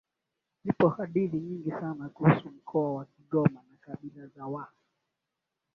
Zipo hadithi nyingi sana kuhusu Mkoa wa Kigoma na kabila la Waha